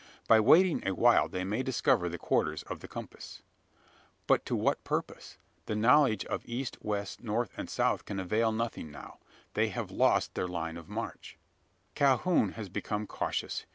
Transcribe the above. By waiting a while they may discover the quarters of the compass. But to what purpose? The knowledge of east, west, north, and south can avail nothing now: they have lost their line of march. Calhoun has become cautious.